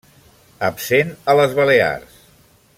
Absent a les Balears.